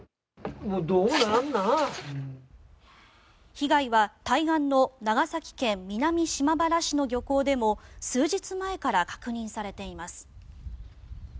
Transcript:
被害は対岸の長崎県南島原市の漁港でも数日前から確認されています。